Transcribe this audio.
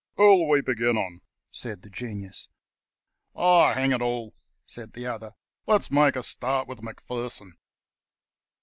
"Who'll we begin on?" said the Genius. "Oh, hang it all," said the other, "let's make a start with Macpherson."